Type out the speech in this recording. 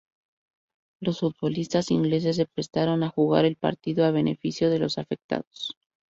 Los futbolistas ingleses se prestaron a jugar el partido a beneficio de los afectados.